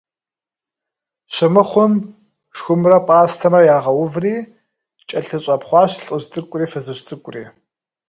Щымыхъум – шхумрэ пӀастэмрэ ягъэуври кӀэлъыщӀэпхъуащ лӀыжь цӀыкӀури фызыжь цӀыкӀури.